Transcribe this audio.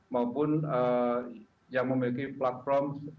maupun yang memiliki platform platform yang berkualitas